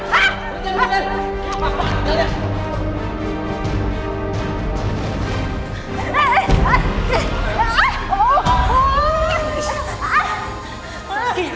berani lah nunggu lo